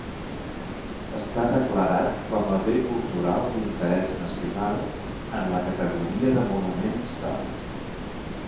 Està declarat com a bé cultural d'interès nacional en la categoria de monument històric.